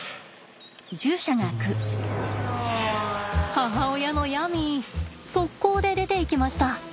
母親のヤミー速攻で出ていきました！